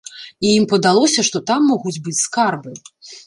І ім падалося, што там могуць быць скарбы.